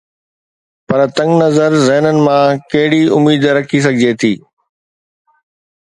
پر تنگ نظر ذهنن مان ڪهڙي اميد رکي سگهجي ٿي؟